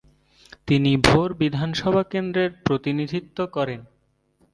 তিনি ভোর বিধানসভা কেন্দ্রের প্রতিনিধিত্ব করেন।